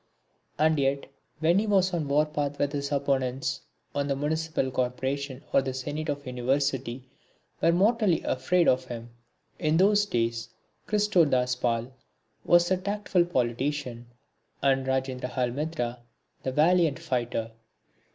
And yet when he was on the war path his opponents on the Municipal Corporation or the Senate of the University were mortally afraid of him. In those days Kristo Das Pal was the tactful politician, and Rajendrahal Mitra the valiant fighter.